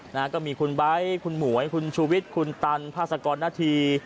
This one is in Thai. นะฮะก็มีคุณไบท์คุณหมวยคุณชูวิทย์คุณตันพาสกรนาธี